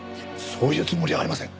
そういうつもりはありません。